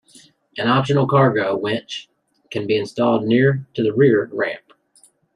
An optional cargo winch can be installed near to the rear ramp.